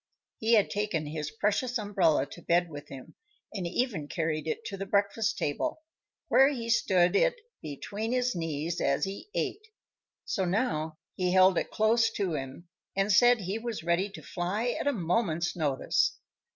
He had taken his precious umbrella to bed with him and even carried it to the breakfast table, where he stood it between his knees as he ate; so now he held it close to him and said he was ready to fly at a moment's notice.